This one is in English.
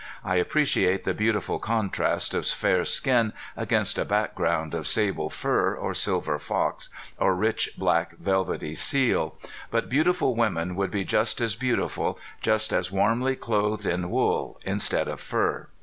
I appreciate the beautiful contrast of fair skin against a background of sable fur, or silver fox, or rich, black, velvety seal. But beautiful women would be just as beautiful, just as warmly clothed in wool instead of fur.